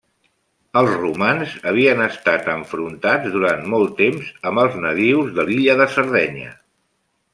Els romans havien estat enfrontats durant molt temps amb els nadius de l'illa de Sardenya.